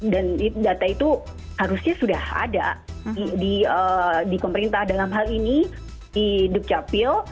dan data itu harusnya sudah ada di pemerintah dalam hal ini di dukcapil